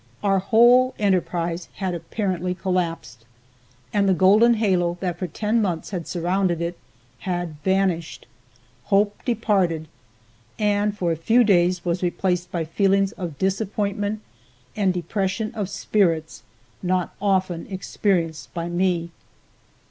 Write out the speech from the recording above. Our whole enterprise had apparently collapsed, and the golden halo, that for ten months had surrounded it, had vanished. Hope departed, and for a few days was replaced by feelings of disappointment and depression of spirits not often experienced by me.